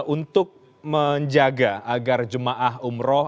untuk menjaga agar jemaah umroh